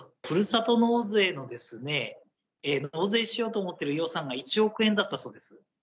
ふるさと納税の、納税しようと思っている予算が１億円だったそうです。